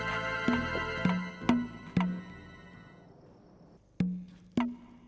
ada juga yang gak mauol